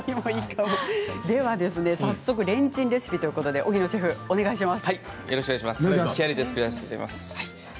早速レンチンレシピということで荻野シェフお願いします。